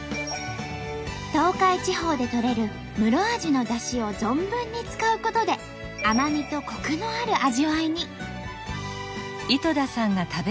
東海地方でとれるムロアジのだしを存分に使うことで甘みとコクのある味わいに。